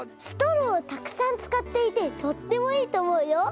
ストローをたくさんつかっていてとってもいいとおもうよ。